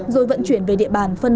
rồi vận chuyển về địa bàn